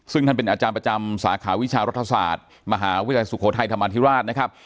ซึ่งท่านเป็นอาจารย์ประจำสาขาวิชารัฐศาสตร์มหาวิทยาลัยสุโขทัยธรรมธิราชนะครับ